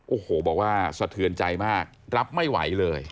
โอ้โหบอกว่าสะเทือนใจมากรับไม่ไหวเลย